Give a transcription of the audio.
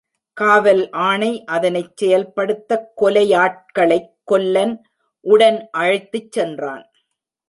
காவல் ஆணை அதனைச் செயல் படுத்தக் கொலை யாட்களைக் கொல்லன் உடன் அழைத்துச் சென்றான்.